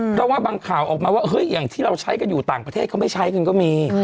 เพราะว่าบางข่าวออกมาว่าเฮ้ยอย่างที่เราใช้กันอยู่ต่างประเทศเขาไม่ใช้กันก็มี